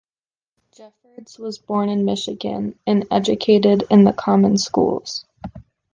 Jeffords was born in Michigan and educated in the common schools.